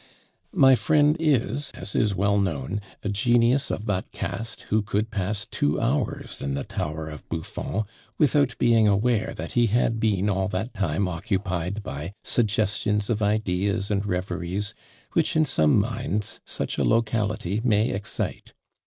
My friend is, as is well known, a genius of that cast who could pass two hours in the Tower of Buffon, without being aware that he had been all that time occupied by suggestions of ideas and reveries, which in some minds such a locality may excite.